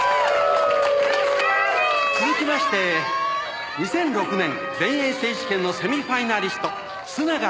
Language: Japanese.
「続きまして２００６年全英選手権のセミファイナリスト須永肇